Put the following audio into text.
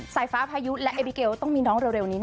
ใส่ฟ้าพายุและแอบิเกลต้องมีน้องเร็วนิดหนึ่ง